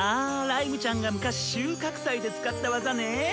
ライムちゃんが昔収穫祭で使った技ネ！